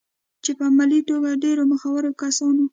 چې په علمي توګه ډېرو مخورو کسانو